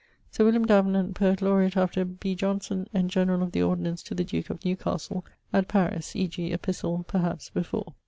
Sir William Davenant, Poet Laureat after B. Johnson, and generall of the ordinance to the duke of Newcastle at Paris (e.g. epistle); perhaps before.